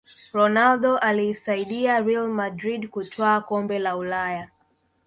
ronaldo aliisaidia real madrid kutwaa kombe la ulaya